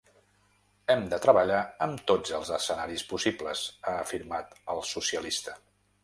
Hem de treballar amb tots els escenaris possibles, ha afirmat el socialista.